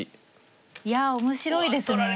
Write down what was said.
いや面白いですね。